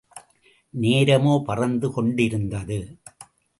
நேரமோ பறந்து கொண்டிருந்தது.